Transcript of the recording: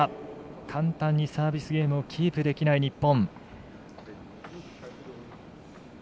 簡単にサービスゲームをキープできない日本。